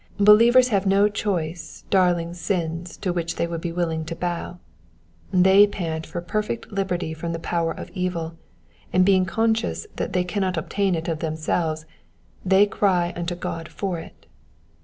Believers have no choice, darling sins to which they would be willing to bow. They pant for perfect liberty from the power of evil, and being conscious that they cannot obtain it of them selves, they cry unto God for it.